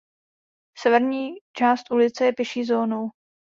Severní část ulice je pěší zónou.